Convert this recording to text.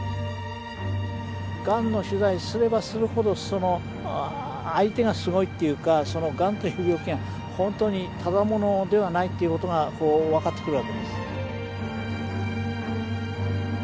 がんの取材すればするほど相手がすごいというかがんという病気が本当にただ者ではないっていうことが分かってくるわけです。